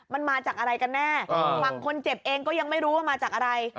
มันมาจากอะไรกันแน่ฝั่งคนเจ็บเองก็ยังไม่รู้ว่ามาจากอะไร